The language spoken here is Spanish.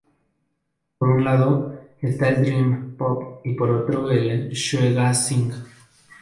Por un lado está el Dream pop y por otro el Shoegazing.